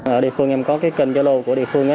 ở địa phương em có cái kênh dơ lô của địa phương á